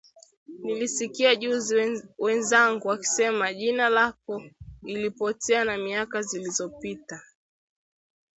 Nilisikia juzi Wenzangu wakisema jina lako ilipotea na miaka zilizopita